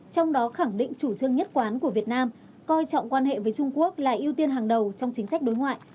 trong đó khẳng định chủ trương nhất quán của việt nam coi trọng quan hệ với trung quốc là ưu tiên hàng đầu trong chính sách đối ngoại